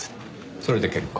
それで結構。